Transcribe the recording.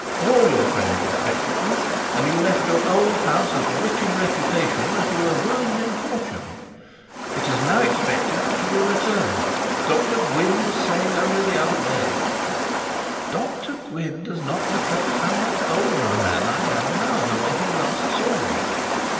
All your friends respected them, and you left your old house as rich in reputation as you were ruined in fortune. It is now expected that you will return. Dr Gwynne was saying only the other day ' 'Dr Gwynne does not reflect how much older a man I am now than when he last saw me.'